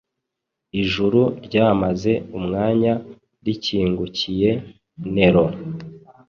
Ijuru ryamaze umwanya rikingukiye Nero